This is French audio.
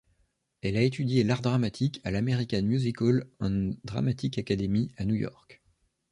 Elle a étudié l'art dramatique à l'American Musical and Dramatic Academy à New York.